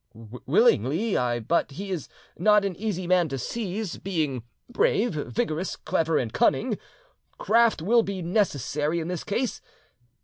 "Willingly I but he is not an easy man to seize being brave, vigorous, clever, and cunning. Craft will be necessary in this case.